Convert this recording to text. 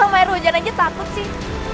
masa sama air hujan aja takut sih